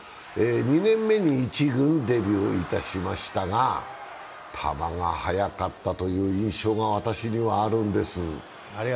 ２年目に１軍デビューいたしましたが、球が速かったという印象が私にはあるんです。